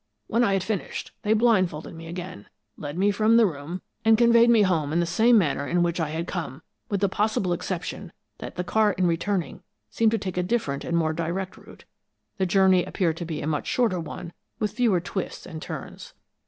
"When I had finished, they blindfolded me again, led me from the room, and conveyed me home in the same manner in which I had come, with the possible exception that the car in returning seemed to take a different and more direct route; the journey appeared to be a much shorter one, with fewer twists and turns.